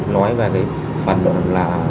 nói về cái phần đó là